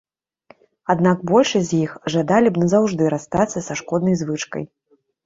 Аднак большасць з іх жадалі б назаўжды расстацца са шкоднай звычкай.